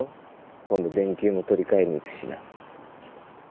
今度電球も取り換えに行くしな。